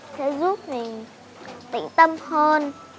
sẽ giúp mình tĩnh tâm hơn